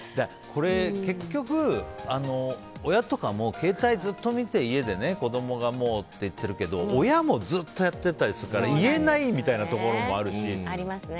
結局、親とかも携帯ずっと見て、家で子供がもうって言ってるけど親もずっとやってたりするから言えないみたいなところもあるし。